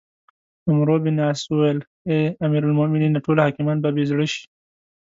عمروبن عاص وویل: اې امیرالمؤمنینه! ټول حاکمان به بې زړه شي.